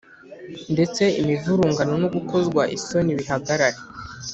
Ndetse imivurungano no gukozwa isoni bihagarare